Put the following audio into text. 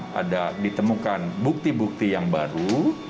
hanya ada ditemukan bukti bukti yang baru